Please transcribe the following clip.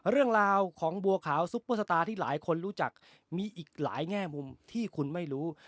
เรื่องราวของบัวขาวซุปเปอร์สตาร์ที่หลายคนรู้จักมีอีกหลายแง่มุมที่คุณไม่รู้